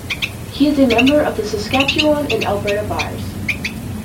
He is a member of the Saskatchewan and Alberta Bars.